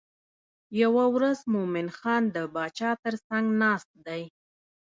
یوه ورځ مومن خان د باچا تر څنګ ناست دی.